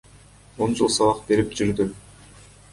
Он жыл сабак берип жүрдүм.